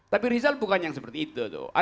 tapi rizal bukan yang seperti itu